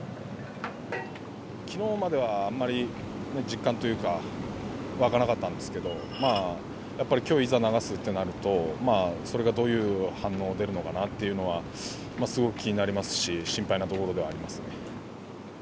きのうまではあまり実感というか、湧かなかったんですけど、まあ、やっぱりきょう、いざ流すってなると、それがどういう反応出るのかなっていうのは、すごく気になりますし、心配なところではありますね。